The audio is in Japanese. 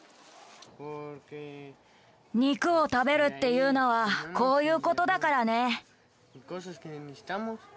肉を食べるっていうのはこういうことだからね。